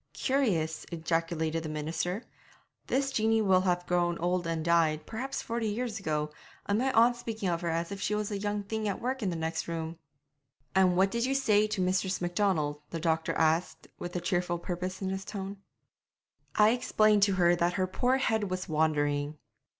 'Curious,' ejaculated the minister. 'This Jeanie will have grown old and died, perhaps, forty years ago, and my aunt's speaking of her as if she was a young thing at work in the next room!' 'And what did you say to Mistress Macdonald?' the doctor asked, with a cheerful purpose in his tone. 'I explained to her that her poor head was wandering.'